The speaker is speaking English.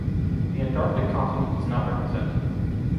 The Antarctic continent is not represented.